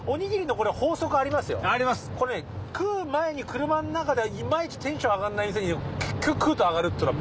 コレね食う前に車の中ではいまいちテンション上がんない店に結局食うと上がるっていうのやっぱ多いです。